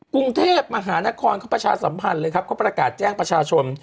กรุงเทพมหานครเขาประชาสัมพันธ์เลยครับเขาประกาศแจ้งประชาชน